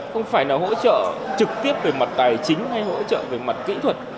không phải là hỗ trợ trực tiếp về mặt tài chính hay hỗ trợ về mặt kỹ thuật